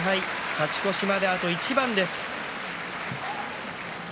勝ち越しまで、あと一番です。